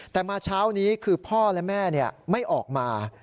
แต่มาเช้านี้คือพ่อและแม่ไม่ออกมา